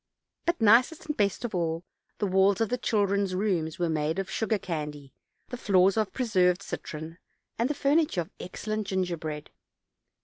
But, nicest and best of all, the walls of the children's rooms were made of sugar candy, the floors of preserved citron, and the furniture of excellent gingerbread.